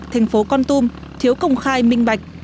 thành phố con tum thiếu công khai minh bạch